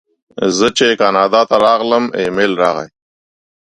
زه چې کاناډا ته راغلم ایمېل راغی.